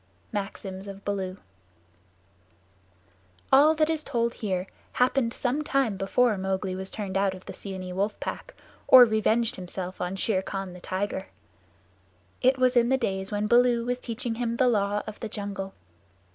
Maxims of Baloo All that is told here happened some time before Mowgli was turned out of the Seeonee Wolf Pack, or revenged himself on Shere Khan the tiger. It was in the days when Baloo was teaching him the Law of the Jungle.